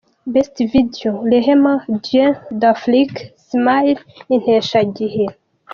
Best Video: Rehema, Dieu d’Afrique, Smile, Inteshagihe.